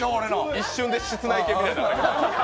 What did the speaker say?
一瞬で室内犬みたいになった。